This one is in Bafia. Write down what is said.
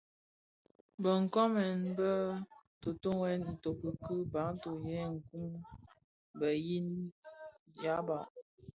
Bë nkoomèn bë tōtōghèn itoki ki bantu yè nkun, bë yii dyaba,